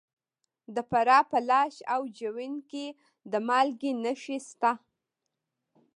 د فراه په لاش او جوین کې د مالګې نښې شته.